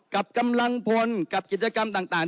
กำลังพลกับกิจกรรมต่าง